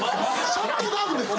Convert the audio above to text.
シャットダウンですか？